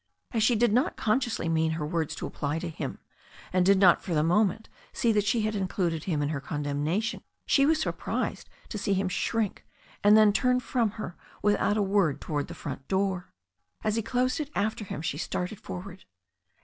As she did not consciously mean her words to apply to him, and did not for the moment see that she had included' him in her condemnation, she was surprised to see him shrink and then turn from her without a word toward the front door. As he closed it after him, she started forward.